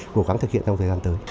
cố gắng thực hiện trong thời gian tới